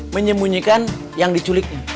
menyembunyikan yang diculik